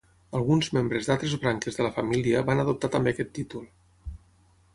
Alguns membres d'altres branques de la família van adoptar també aquest títol.